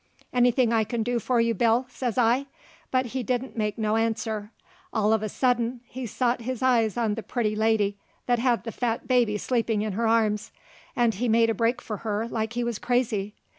"Anything I kin do for you, Bill?" says I, but he didn't make no answer. All uv a suddint he sot his eyes on the prutty lady that had the fat baby sleepin' in her arms, 'nd he made a break for her like he wuz crazy.